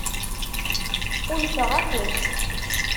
Unfeɣ-akent.